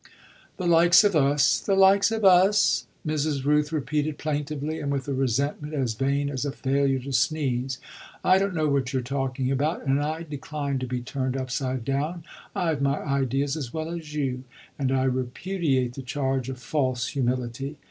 "The likes of us the likes of us!" Mrs. Rooth repeated plaintively and with a resentment as vain as a failure to sneeze. "I don't know what you're talking about and I decline to be turned upside down, I've my ideas as well as you, and I repudiate the charge of false humility.